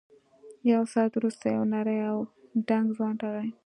یو ساعت وروسته یو نری او دنګ ځوان راغی.